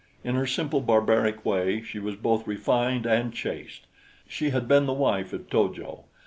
In her simple barbaric way she was both refined and chaste. She had been the wife of To jo.